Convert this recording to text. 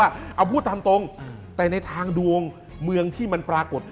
เอาพูดตามตรงแต่ในทางดวงเมืองที่มันปรากฏ